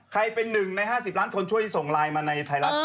ใครเป็นหนึ่งใน๕๐ล้านคนช่วยส่งไลน์มาในไทยรัฐ